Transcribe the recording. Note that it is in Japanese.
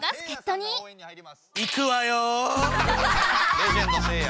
レジェンドせいや？